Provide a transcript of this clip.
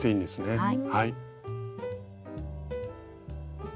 はい。